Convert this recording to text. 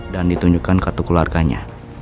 dan ditunjukkan kartu keluarganya